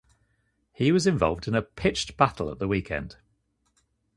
He was involved in a pitched battle at the weekend.